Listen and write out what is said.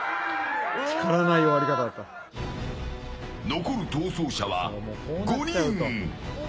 残る逃走者は５人。